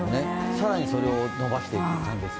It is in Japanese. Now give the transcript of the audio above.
更にそれを伸ばしていく感じです。